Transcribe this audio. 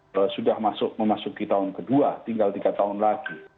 kalau sudah memasuki tahun kedua tinggal tiga tahun lagi